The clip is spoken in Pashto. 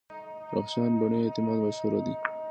رخشان بني اعتماد مشهوره ده.